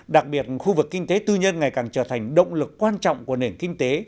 đặc biệt khu vực kinh tế tư nhân ngày càng trở thành động lực quan trọng của nền kinh tế